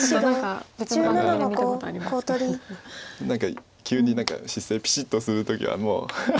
何か急に姿勢ピシッとする時はもう。